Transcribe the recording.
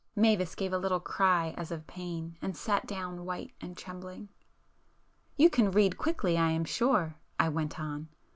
Mavis gave a little cry as of pain, and sat down white and trembling. "You can read quickly, I am sure,"—I went on.